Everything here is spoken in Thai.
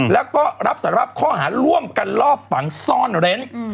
และก็รับศาลรับข้อหาร่วมกันรอบฝังซ้อนเล้น